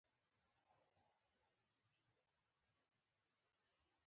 فریدګل وویل چې دیارلس کاله وروسته ستا کلچې خورم